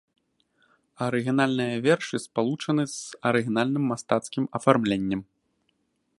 Арыгінальныя вершы спалучаны з арыгінальным мастацкім афармленнем.